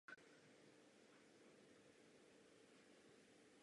Za své činy byl vyznamenán titulem Národní hrdina Jugoslávie i Národní hrdina Albánie.